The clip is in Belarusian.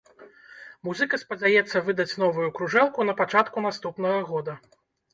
Музыка спадзяецца выдаць новую кружэлку на пачатку наступнага года.